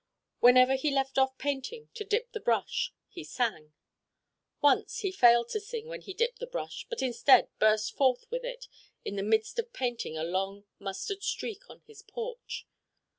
Whenever he left off painting to dip the brush he sang. Once he failed to sing when he dipped the brush but instead burst forth with it in the midst of painting a long mustard streak on his porch.